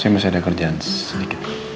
saya masih ada kerjaan sedikit